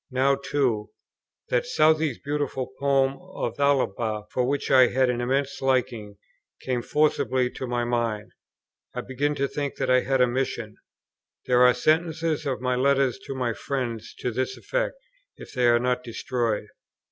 now too, that Southey's beautiful poem of Thalaba, for which I had an immense liking, came forcibly to my mind. I began to think that I had a mission. There are sentences of my letters to my friends to this effect, if they are not destroyed.